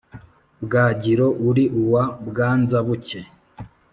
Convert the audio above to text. bwagiro uri uwa bwanza-buke,